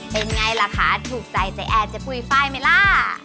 เป็นไงล่ะคะถูกใจแต่แอบจะปุ๋ยไฟล์ไหมล่ะ